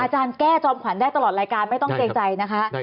แก้จอมขวัญได้ตลอดรายการไม่ต้องเกรงใจนะคะ